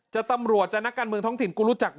จะตำรวจจะนักการเมืองท้องถิ่น